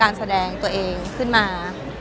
การแสดงตัวเองขึ้นมา